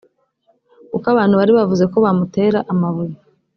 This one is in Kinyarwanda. kuko abantu bari bavuze ko bamutera amabuye